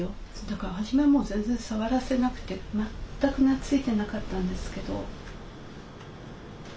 だから初めは全然触らせなくて全くなついてなかったんですけど。